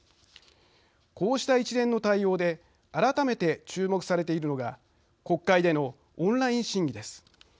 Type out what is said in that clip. こうした一連の対応で改めて注目されているのが国会でのオンライン審議です。